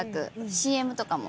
ＣＭとかも。